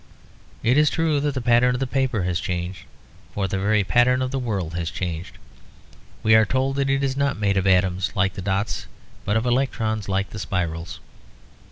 It is true that the pattern of the paper has changed, for the very pattern of the world has changed; we are told that it is not made of atoms like the dots but of electrons like the spirals.